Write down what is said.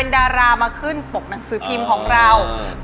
จึงปกหนังสือพิมพ์ของเรา